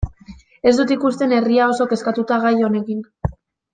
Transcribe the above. Ez dut ikusten herria oso kezkatuta gai honekin.